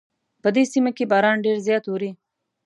په دې سیمه کې باران ډېر زیات اوري